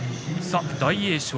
大栄翔